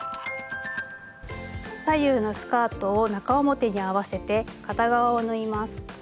左右のスカートを中表に合わせて片側を縫います。